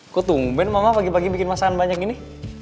kok tembeng mama pagi pagi bikin masakan banyak gini